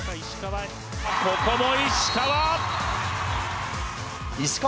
ここも石川！